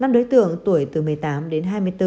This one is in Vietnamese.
năm đối tượng tuổi từ một mươi tám đến hai mươi bốn